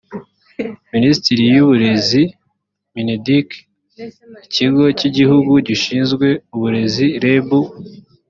minisiteri y uburezi mineduc ikigo cy igihugu gishinzwe uburezi reb